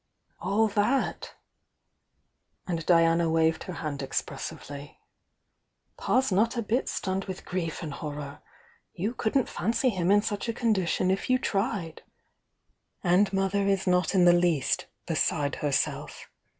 "All that!" and Diana waved her hand expres sively. "Pa's not a bit stunned with grief and hor ror!' You couldn't fancy him in such a condition if you tried! And mother is not in the least 'beside herself.'